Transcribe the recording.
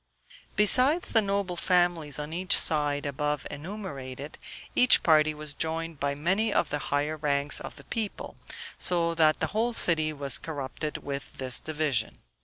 Besides the noble families on each side above enumerated, each party was joined by many of the higher ranks of the people, so that the whole city was corrupted with this division.